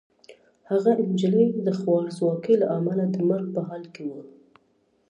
هغه نجلۍ د خوارځواکۍ له امله د مرګ په حال کې وه.